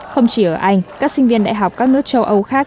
không chỉ ở anh các sinh viên đại học các nước châu âu khác